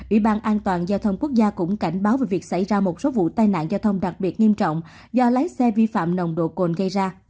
ủy ban an toàn giao thông quốc gia cũng cảnh báo về việc xảy ra một số vụ tai nạn giao thông đặc biệt nghiêm trọng do lái xe vi phạm nồng độ cồn gây ra